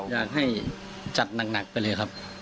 อยากให้จัดหนักไปเลยครับ